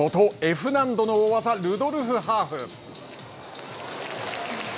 Ｆ難度の大技ルドルフハーフ。